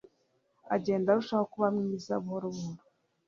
agenda arushaho kuba mwiza buhoro buhoro